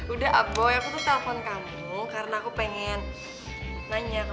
udah aboy aku tuh telpon kamu karena aku pengen nanya